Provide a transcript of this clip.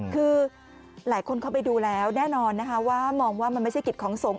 คือหลายคนเข้าไปดูแล้วแน่นอนนะคะว่ามองว่ามันไม่ใช่กิจของสงฆ